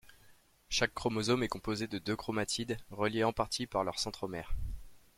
Chaque chromosome est composé de deux chromatides relié en partie par leur centromère.